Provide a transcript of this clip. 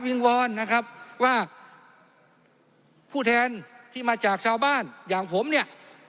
งวอนนะครับว่าผู้แทนที่มาจากชาวบ้านอย่างผมเนี่ย